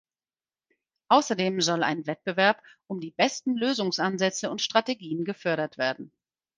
Außerdem soll ein Wettbewerb um die besten Lösungsansätze und Strategien gefördert werden.